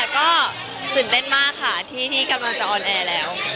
ก็ตื่นเต้นมากค่ะที่กำลังจะออนแอร์แล้ว